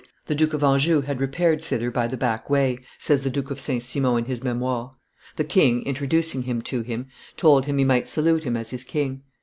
"The Duke of Anjou had repaired thither by the back way," says the Duke of St. Simon in his Memoires; the king, introducing him to him, told him he might salute him as his king.